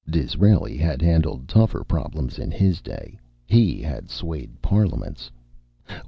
Disraeli had handled tougher problems in his day. He had swayed Parliaments.